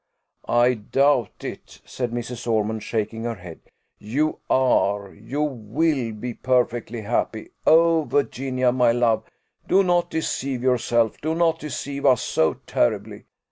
"I doubt it," said Mrs. Ormond, shaking her head. "You are you will be perfectly happy. Oh, Virginia, my love, do not deceive yourself; do not deceive us so terribly.